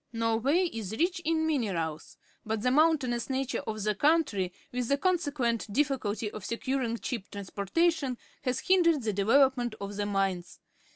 Norway is rich in minerals, but the moun tainous nature of the country, with the consequent difficulty of securing cheap trans portation, has hindered the development of the mines.